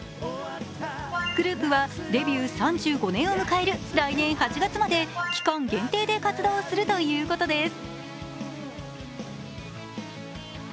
グループはデビュー３５年を迎える来年８月まで期間限定で活動するということです。